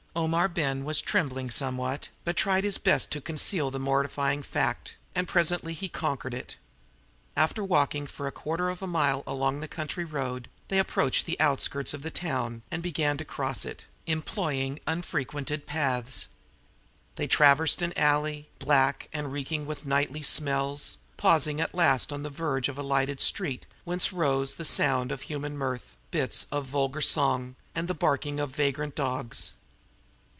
Omar Ben was trembling somewhat, but tried his best to conceal the mortifying fact, and presently he conquered it. After walking for a quarter of a mile along a country road, they approached the outskirts of the town and began to cross it, employing unfrequented paths. They traversed an alley, black and reeking with nightly smells, pausing at last on the verge of a lighted street whence rose the sound of human mirth, bits of vulgar song, and the barking of vagrant dogs.